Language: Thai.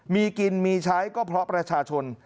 มีกินมีใช้ก็เพราะประชาชน